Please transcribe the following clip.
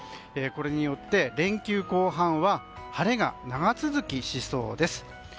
これによって、連休後半は晴れが長続きしそうです。